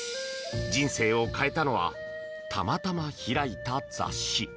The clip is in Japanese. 人生を変えたのはたまたま開いた雑誌。